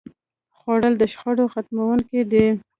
خوړل د شخړې ختموونکی دی